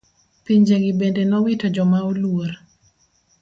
Pinje gi bende nowito joma oluor.